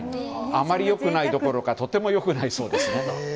あまり良くないどころかとても良くないそうですね。